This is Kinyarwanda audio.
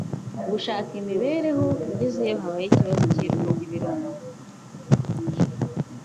gushaka imibereho, ngezeyo haba ikibazo cy’iruka ry’Ibirunga,